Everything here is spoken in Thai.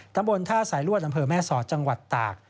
ตำบลท่าสายลวดอำเภอแม่สอดจังหวัดตาก